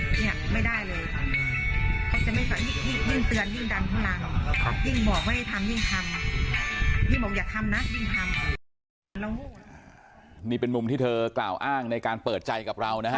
พี่บอกอย่าทำนะยิ่งทำนี่เป็นมุมที่เธอกล่าวอ้างในการเปิดใจกับเรานะฮะ